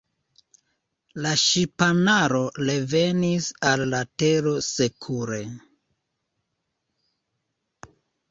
La ŝipanaro revenis al la Tero sekure.